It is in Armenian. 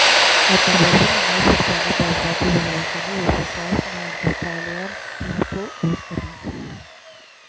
Հայտնաբերվել են այդ շրջանի բազմաթիվ առարկաներ, ինչպես նաև նեանդերթալյան մարդու ոսկորներ։